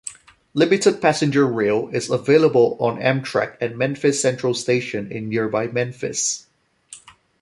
Limited Passenger Rail is available on Amtrak at Memphis Central Station in nearby Memphis.